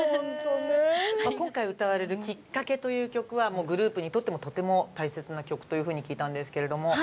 今回、歌われる「きっかけ」という曲はグループにとってもとても大切な曲というふうに聞いたんですけれども。